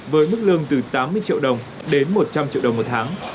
với mức lương từ tám mươi triệu đồng đến một trăm linh triệu đồng một tháng